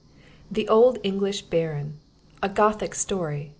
THE OLD ENGLISH BARON: A GOTHIC STORY.